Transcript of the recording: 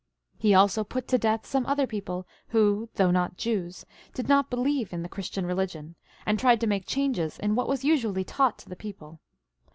He also put to death some other people who, though not Jews, did not believe in the Christian religion, and tried to make changes in what was usually taught to the people.